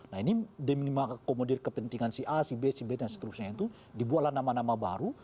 nah ini demi mengakomodir kepentingan si a si b si b dan seterusnya itu dibuatlah nama nama baru